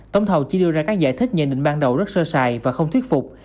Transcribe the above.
tổng thầu chỉ đưa ra các giải thích nhận định ban đầu rất sơ sài và không thuyết phục